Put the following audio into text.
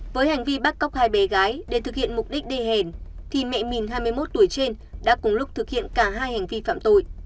với hành vi bắt cóc hai bé gái để thực hiện mục đích đê hẹn thì mẹ mình hai mươi một tuổi trên đã cùng lúc thực hiện cả hai hành vi phạm tội